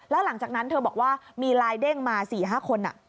แล้วหลังจากนั้นเธอบอกว่ามีลายเด้งมา๔๕คน